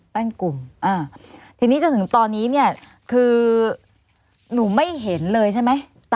บ้านกลุ่มที่นี้จนถึงตอนนี้คือหนูไม่เห็นเลยใช่ไหม